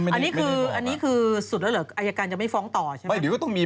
เหมือนที่คุณลูกชูวิทย์เคยบอกไง